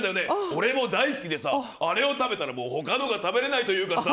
俺も大好きでさ、あれを食べたら他のが食べれないというかさ。